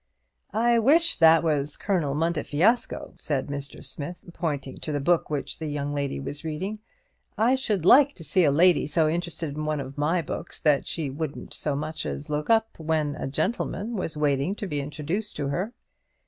"I wish that was 'Colonel Montefiasco,'" said Mr. Smith, pointing to the book which the young lady was reading. "I should like to see a lady so interested in one of my books that she wouldn't so much as look up when a gentleman was waiting to be introduced to her."